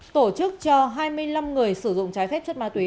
tổ chức cho hai mươi năm người sử dụng trái phép chất ma túy